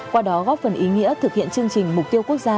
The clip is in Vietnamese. qua đó góp phần ý nghĩa thực hiện chương trình mục tiêu quốc gia